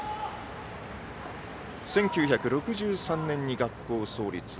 １９６３年に学校創立。